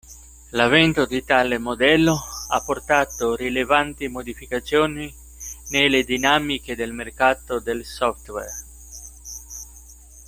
L'avvento di tale modello ha portato rilevanti modificazioni nelle dinamiche del mercato del software.